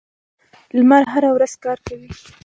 لمر هره ورځ کار کوي.